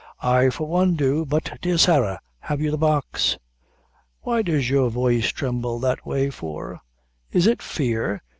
"I, for one, do; but, dear Sarah, have you the box?" "Why does your voice tremble that way for? Is it fear?